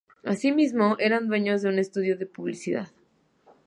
Asimismo eran dueños de un estudio de publicidad.